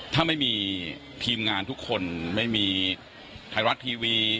ถ้าไม่มีทีมงานทุกคนไม่มีไทยรัฐทีวี